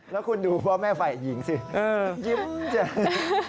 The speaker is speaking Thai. แล้วคุณดูพ่อแม่ฝ่ายหญิงสิยิ้มจัง